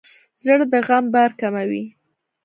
زړه د غم بار کموي.